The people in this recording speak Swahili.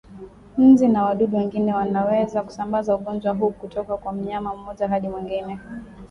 Nzi na wadudu wengine wanaweza kusambaza ugonjwa huu kutoka kwa mnyama mmoja hadi mwingine